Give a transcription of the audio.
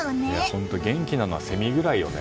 本当、元気なのはセミぐらいだよね。